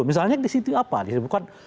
misalnya di situ apa di situ bukan